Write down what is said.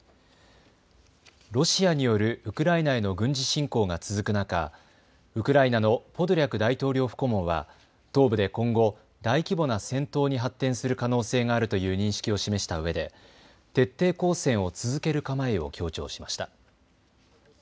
ロシアによるウクライナへの軍事侵攻が続く中、ウクライナのポドリャク大統領府顧問は東部で今後、大規模な戦闘に発展する可能性があるという認識を示したうえで徹底抗戦を続ける構えを強調しました。